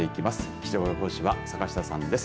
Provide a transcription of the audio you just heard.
気象予報士は坂下さんです。